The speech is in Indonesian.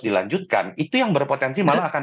dilanjutkan itu yang berpotensi malah akan